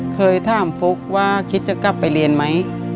เคยถามฟุ๊กว่าคิดจะกลับไปเรียนไหม